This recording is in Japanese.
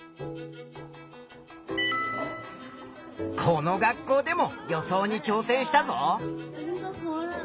この学校でも予想にちょう戦したぞ。